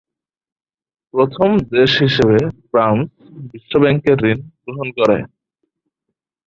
প্রথম দেশ হিসেবে ফ্রান্স বিশ্বব্যাংকের ঋণ গ্রহণ করে।